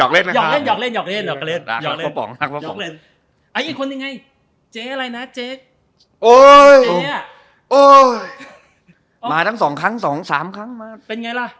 ไอ้ตัวนี้ไว้ใจไม่ได้ธอผิดฝั่งนี้